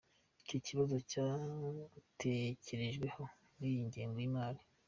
Iki kibazo cyatekerejweho muri iyi ngengo y’imari.